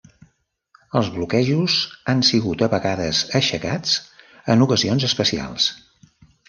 Els bloquejos han sigut a vegades aixecats en ocasions especials.